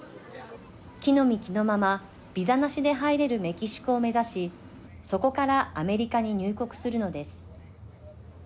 着のみ着のままビザなしで入れるメキシコを目指しそこからアメリカに入国するのです。